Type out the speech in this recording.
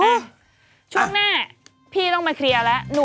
ช่วงหน้าพี่ต้องมาเคลียร์แล้ว